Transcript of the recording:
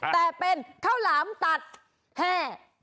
แต่เป็นข้าวหลามตัดแห้